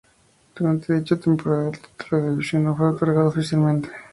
Durante dicha temporada, el título de la división no fue otorgado oficialmente.